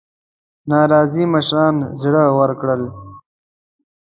ناراضي مشران زړه ورکړل.